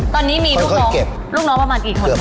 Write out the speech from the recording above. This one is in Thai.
แบบแบบแบบ